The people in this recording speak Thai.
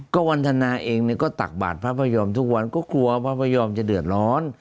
ก็วันทนาเองก็ตักบาทพระพยอมทุกวันก็กลัวพระพยอมจะเดือดร้อน